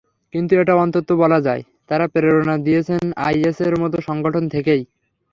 কিন্তু এটা অন্তত বলা যায়, তাঁরা প্রেরণা পেয়েছেন আইএসের মতো সংগঠন থেকেই।